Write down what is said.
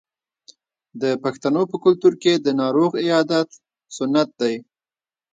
د پښتنو په کلتور کې د ناروغ عیادت سنت دی.